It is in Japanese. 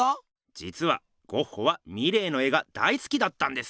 じつはゴッホはミレーの絵が大すきだったんです。